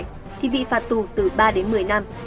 thì bị phạt tù từ ba đến một mươi năm